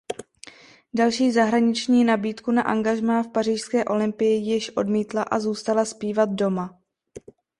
Další zahraniční nabídku na angažmá v pařížské Olympii již odmítla a zůstala zpívat doma.